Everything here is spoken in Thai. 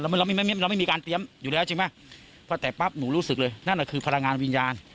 เราไม่มีการเตรียมอยู่แล้วจริงไหมแต่ปั๊บหนูรู้สึกเลยนั่นแหละคือพลางานวิญญาณ